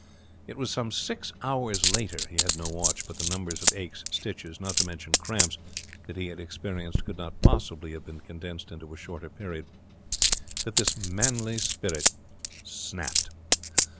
It was about six hours later he had no watch, but the numbers of aches, stitches, not to mention cramps, that he had experienced could not possibly have been condensed into a shorter period that his manly spirit snapped.